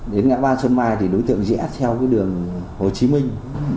đến ngã ba xuân mạng thì đối tượng dẽ theo đường hồ chí minh